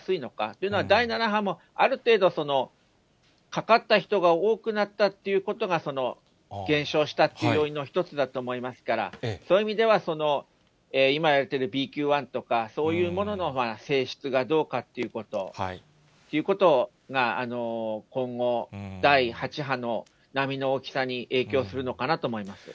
というのは、第７波もある程度、かかった人が多くなったっていうことが、減少した要因の一つだと思いますから、そういう意味では、今言われているＢＱ．１とか、そういうものの性質がどうかということが今後、第８波の波の大きさに影響するのかなと思います。